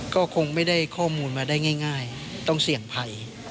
ก็คงไม่ได้ข้อมูลมาได้ง่ายต้องเสี่ยงภัย